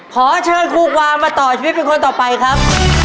ขอเชิญครูกวางมาต่อชีวิตเป็นคนต่อไปครับ